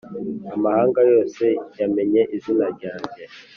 amahanga yose yamenye izina ryanjye.